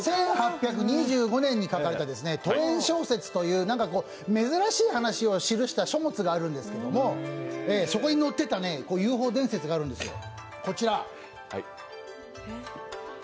１８２５年に書かれた「兎園小説」という珍しい話を記した書物があるんですけども、そこに載ってたＵＦＯ伝説があるんですよ。